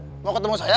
alien mau ketemu saya